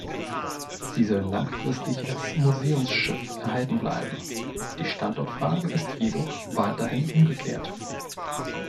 Sie soll langfristig als Museumsschiff erhalten bleiben, die Standortfrage ist jedoch weiterhin ungeklärt.